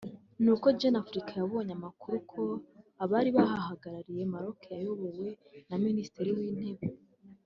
ni uko Jeune Afrique yabonye amakuru ko abari bahagarariye Maroc bayobowe na Minisitiri w’Intebe